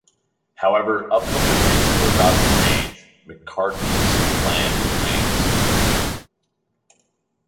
However, upcoming events were about to change McCartney's plans with Wings.